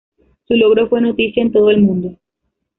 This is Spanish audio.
Su logro fue noticia en todo el mundo.